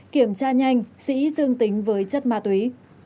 kiểm tra nhanh sĩ dương tính với chất ma túy